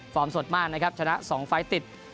ฟอร์มสดม่านนะครับชนะ๒ไฟต์ติด